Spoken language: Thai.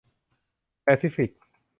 แปซิฟิก